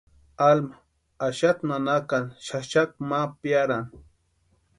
Alma axasti nanakani xaxakwa ma piarani.